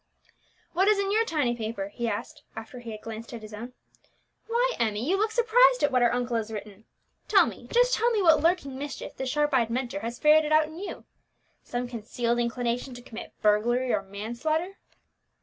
"What is in your tiny paper?" he asked, after he had glanced at his own. "Why, Emmie, you look surprised at what our uncle has written. Tell me, just tell me what lurking mischief the sharp eyed Mentor has ferreted out in you. Some concealed inclination to commit burglary or manslaughter?"